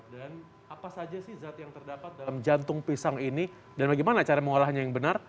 dan apa saja sih zat yang terdapat dalam jantung pisang ini dan bagaimana cara mengolahnya yang benar